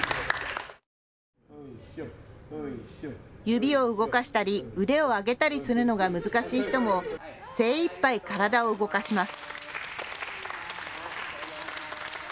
指を動かしたり腕を上げたりするのが難しい人も精いっぱい体を動かします。